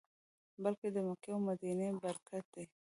بلکې د مکې او مدینې برکت دی.